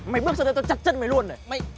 mày bước xuống đây tao chặt chân mày luôn này